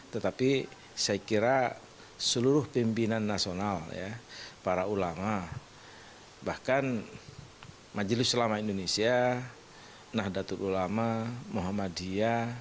tetapi saya kira seluruh pimpinan nasional para ulama bahkan majelis ulama indonesia nahdlatul ulama muhammadiyah